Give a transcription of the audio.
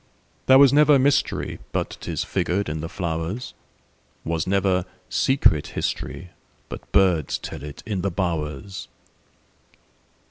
There was never mysteryBut 'tis figured in the flowers; SWas never secret historyBut birds tell it in the bowers.